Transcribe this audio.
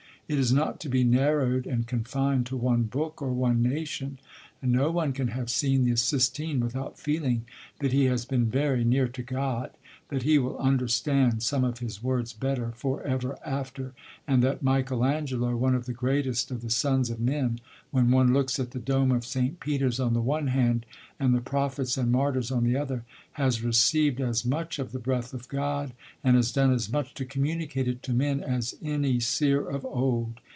It is not to be narrowed and confined to one book, or one nation; and no one can have seen the Sistine without feeling that he has been very near to God, that he will understand some of His words better for ever after; and that Michael Angelo, one of the greatest of the sons of men, when one looks at the dome of St. Peter's on the one hand and the prophets and martyrs on the other, has received as much of the breath of God, and has done as much to communicate it to men, as any Seer of old.